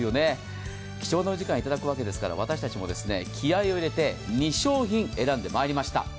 貴重なお時間いただくわけですから私たちも気合を入れて２商品、選んでまいりました。